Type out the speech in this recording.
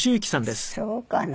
そうかな？